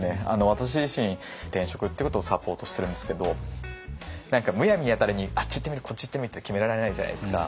私自身転職っていうことをサポートしてるんですけど何かむやみやたらにあっち行ってみるこっち行ってみるって決められないじゃないですか。